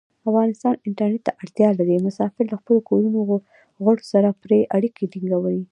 افغانستان انټرنیټ ته اړتیا لري. مسافر له خپلو کورنیو غړو سره پری اړیکې ټینګوی.